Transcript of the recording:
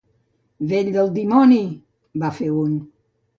-Vell del dimoni!- va fer un.